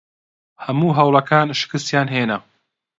هەموو هەوڵەکان شکستیان هێنا.